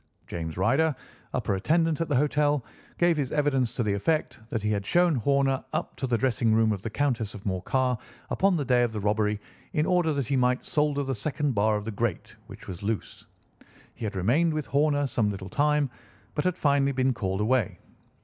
James Ryder, upper attendant at the hotel, gave his evidence to the effect that he had shown Horner up to the dressing room of the Countess of Morcar upon the day of the robbery in order that he might solder the second bar of the grate, which was loose. He had remained with Horner some little time, but had finally been called away.